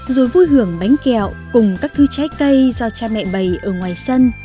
rồi vui hưởng bánh kẹo cùng các thứ trái cây do cha mẹ bày ở ngoài sân